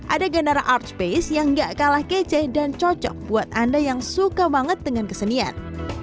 ada gandara art space yang gak kalah kece dan cocok buat anda yang suka banget dengan kesenian